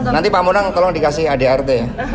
nanti pak monang tolong dikasih adrt